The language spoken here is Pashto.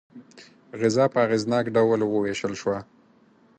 غذا په اغېزناک ډول وویشل شوه.